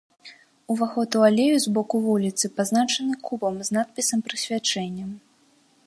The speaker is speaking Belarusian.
Уваход у алею з боку вуліцы пазначаны кубам з надпісам-прысвячэннем.